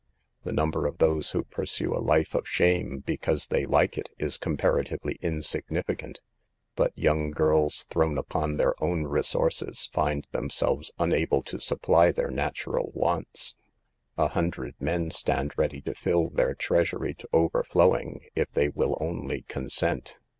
The number of those who pursue a life of shame because they like it, is comparatively insignificant. But young girls, thrown upon their own resources, find themselves unable to 192 SAVE THE GIKLS. supply their natural wants. « A hundred men stand ready to fill their treasury to overflowing if they will only consent.